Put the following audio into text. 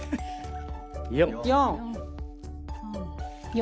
４。